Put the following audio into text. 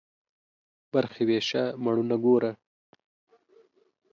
برخي ويشه ، مړونه گوره.